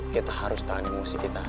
kita harus tahan emosi kita